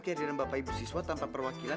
kehadiran bapak ibu siswa tanpa perwakilan